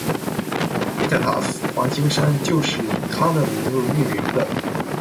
Pitatus 环形山就是以他的名字命名的。